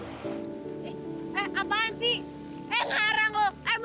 eh mau kemana lo